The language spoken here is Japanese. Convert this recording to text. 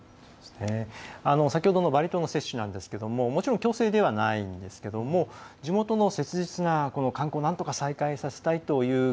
先ほどのバリ島の接種ですがもちろん、強制ではないんですが地元の切実な観光をなんとか再開させたいという思い